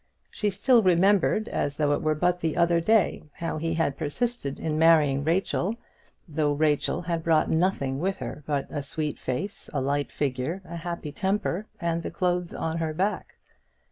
She still remembered, as though it were but the other day, how he had persisted in marrying Rachel, though Rachel brought nothing with her but a sweet face, a light figure, a happy temper, and the clothes on her back.